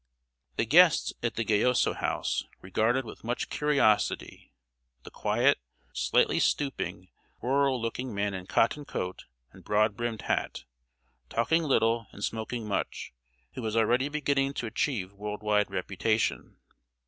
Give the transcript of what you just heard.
The guests at the Gayoso House regarded with much curiosity the quiet, slightly stooping, rural looking man in cotton coat and broad brimmed hat, talking little and smoking much, who was already beginning to achieve world wide reputation.